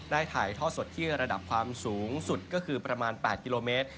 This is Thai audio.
ถ่ายท่อสดที่ระดับความสูงสุดก็คือประมาณ๘กิโลเมตร